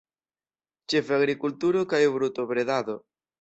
Ĉefe agrikulturo kaj brutobredado.